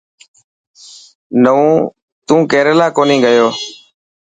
نون ڪيريلا ڪونهي گيو.